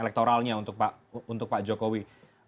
elektoralnya untuk pak jokowi